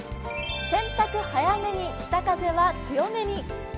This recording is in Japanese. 洗濯早めに北風は強めに。